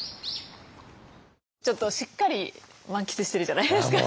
ちょっとしっかり満喫してるじゃないですか。